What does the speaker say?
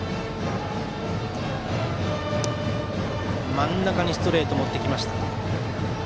真ん中にストレート持ってきました。